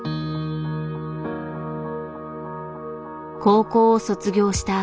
高校を卒業した